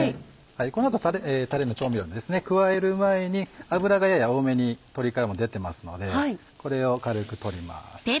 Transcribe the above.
この後たれの調味料を加える前に脂がやや多めに鶏からも出てますのでこれを軽く取ります。